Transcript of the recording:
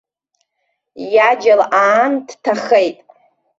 Иаџьал аан дҭахеит.